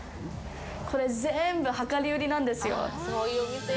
これ全部、量り売りなんですよ。